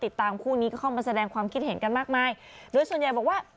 คู่นี้ก็เข้ามาแสดงความคิดเห็นกันมากมายโดยส่วนใหญ่บอกว่า